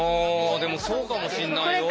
あでもそうかもしんないよ。